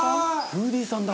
「フーディーさんだ」